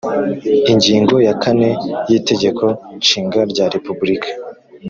ingingo yakane y Itegeko Nshinga rya Repubulika